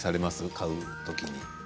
買うときに。